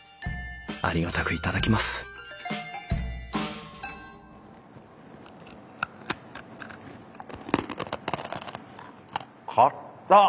ありがたく頂きますかたっ！